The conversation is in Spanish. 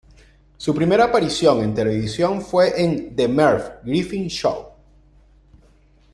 Su primera aparición en televisión fue en The Merv Griffin Show.